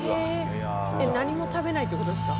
えっ何も食べないってことですか？